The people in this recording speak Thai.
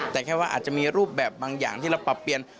แต่แค่ว่าอาจจะมีรูปแบบบางอย่างที่เราปรับเปลี่ยน